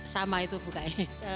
sama itu bukanya